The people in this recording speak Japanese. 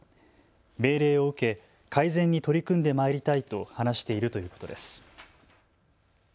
命令を受け改善に取り組んでまいりたいと話しているということです。